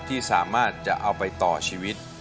ที่สามารถจะเอาไปต่อชีวิต